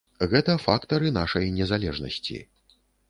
Гэта фактары нашай незалежнасці.